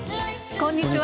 こんにちは。